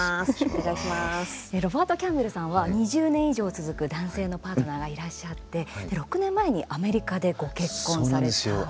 ロバート・キャンベルさんは２０年以上続く男性のパートナーがいらっしゃって、６年前にそうなんですよ。